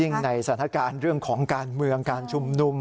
ในสถานการณ์เรื่องของการเมืองการชุมนุม